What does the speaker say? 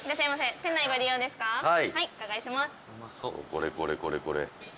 ・これこれこれこれ。